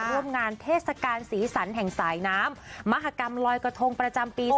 ร่วมงานเทศกาลสีสันแห่งสายน้ำมหากรรมลอยกระทงประจำปี๒๕